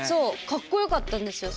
かっこよかったんですよ